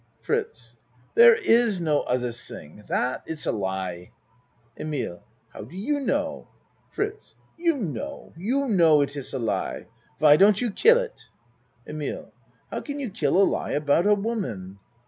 FRITZ There is no other thing! That iss a lie. EMILE How do you know? FRITZ You know you know it iss a lie! Why don't you kill it? EMILE How can you kill a lie about a woman?